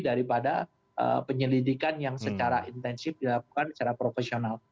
daripada penyelidikan yang secara intensif dilakukan secara profesional